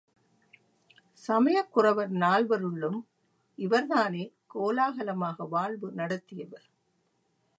சமயக் குரவர் நால்வருள்ளும் இவர்தானே கோலாகலமாக வாழ்வு நடத்தியவர்.